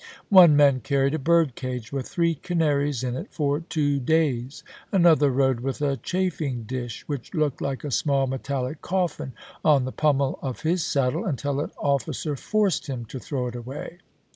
One man carried a bu'd cage with three canaries in it for two days. Another rode with a chafing dish, which looked like a small metallic coffin, on the pommel of his saddle, until an officer forced him to throw it away.